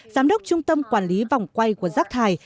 giám đốc trung tâm quản lý vòng quay của rác thải